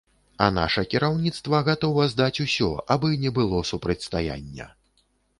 А наша кіраўніцтва гатова здаць усё, абы не было супрацьстаяння.